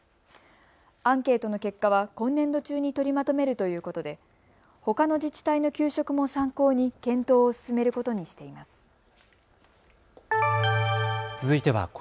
アンケートの結果は今年度中に取りまとめるということでほかの自治体の給食も参考に検討を進めることにしています。